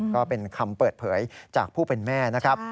ก็เป็นคำเปิดเผยจากผู้เป็นแม่นะครับ